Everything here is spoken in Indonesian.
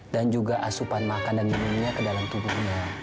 dan juga asupan makan dan minumnya ke dalam tubuhnya